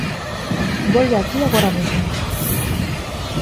Volve aquí agora mesmo.